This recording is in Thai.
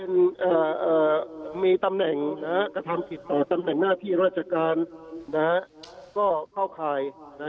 มีตำแหน่งกระทำผิดต่อตำแหน่งหน้าที่ราชการก็เข้าข่าย